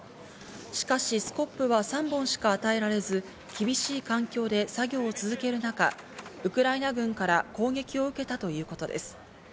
しかし、スコップは３本しか与えられず、厳しい環境で作業を続ける中、ウクライナ軍から攻撃を受けたということです。